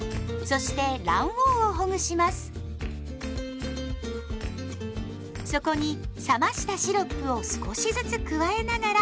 そこに冷ましたシロップを少しずつ加えながら混ぜます。